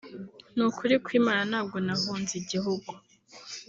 ni ukuri kw’Imana ntabwo nahunze(igihugu)